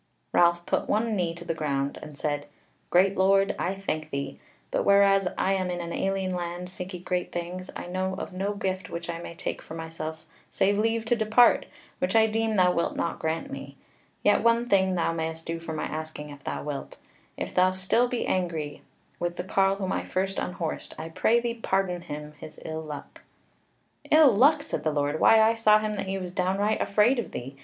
Ralph put one knee to the ground, and said: "Great Lord, I thank thee: but whereas I am in an alien land and seeking great things, I know of no gift which I may take for myself save leave to depart, which I deem thou wilt not grant me. Yet one thing thou mayst do for my asking if thou wilt. If thou be still angry with the carle whom I first unhorsed, I pray thee pardon him his ill luck." "Ill luck!" said the Lord, "Why, I saw him that he was downright afraid of thee.